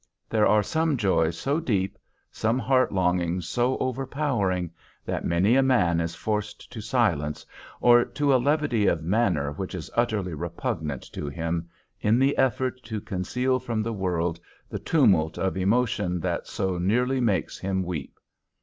There are some joys so deep, some heart longings so overpowering, that many a man is forced to silence, or to a levity of manner which is utterly repugnant to him, in the effort to conceal from the world the tumult of emotion that so nearly makes him weep.